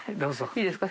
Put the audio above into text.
いいですか？